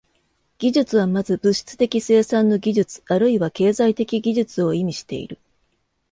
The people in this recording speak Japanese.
技術は先ず物質的生産の技術あるいは経済的技術を意味している。